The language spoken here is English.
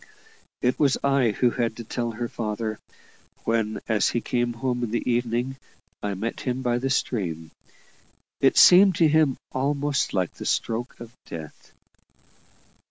It was I who had to tell her father, when as he came home in the evening I met him by the stream. It seemed to him almost like the stroke of death.